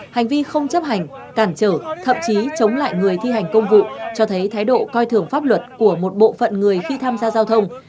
hành vi không chấp hành cản trở thậm chí chống lại người thi hành công vụ cho thấy thái độ coi thường pháp luật của một bộ phận người khi tham gia giao thông